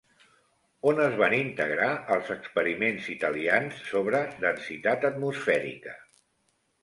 On es van integrar els experiments italians sobre densitat atmosfèrica?